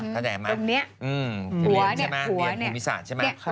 ตรงนี้หัวเนี่ยหัวเนี่ยตรงนี้